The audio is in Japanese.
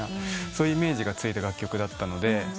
そういうイメージがついた楽曲だったので。